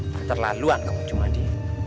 keterlaluan kamu jumadi